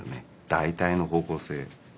大体の方向性。